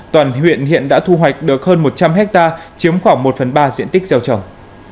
toàn huyện hiện đã thu hoạch được hơn một trăm linh hectare chiếm khoảng một phần ba diện tích gieo trồng